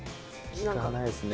聞かないっすね。